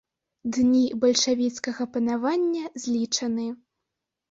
Дні бальшавіцкага панавання злічаны.